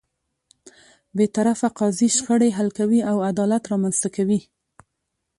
بېطرفه قاضی شخړې حل کوي او عدالت رامنځته کوي.